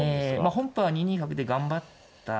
本譜は２二角で頑張ったんですよね。